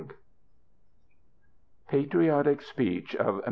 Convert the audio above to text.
46 PATRIOTIC SPEECH OP MR.